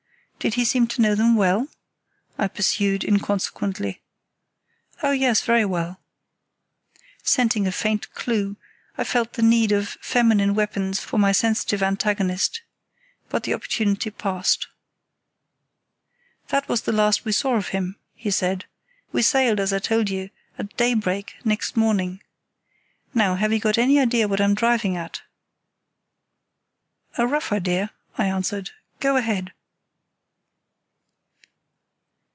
"Did he seem to know them well?" I pursued, inconsequently. "Oh, yes, very well." Scenting a faint clue, I felt the need of feminine weapons for my sensitive antagonist. But the opportunity passed. "That was the last I saw of him," he said. "We sailed, as I told you, at daybreak next morning. Now, have you got any idea what I'm driving at?" "A rough idea," I answered. "Go ahead."